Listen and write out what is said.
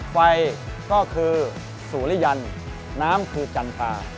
ไฟก็คือสุริยันน้ำคือจันทรา